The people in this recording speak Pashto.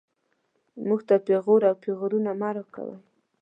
موږ ته پېغور او پېغورونه مه راکوئ